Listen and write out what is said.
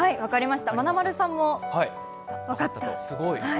まなまるさんも分かったと。